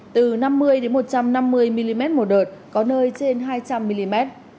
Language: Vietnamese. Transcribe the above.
từ năm mươi một trăm năm mươi mm một đợt có nơi trên hai trăm linh mm